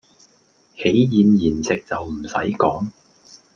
喜宴筵席就唔使講